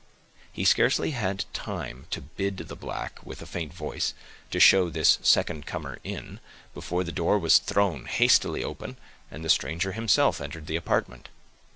He scarcely had time to bid the black, with a faint voice, to show this second comer in, before the door was thrown hastily open, and the stranger himself entered the apartment.